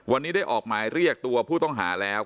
วันนี้ได้ออกหมายเรียกตัวผู้ต้องหาแล้ว